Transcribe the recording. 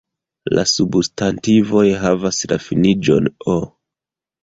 La substantivoj havas la finiĝon o.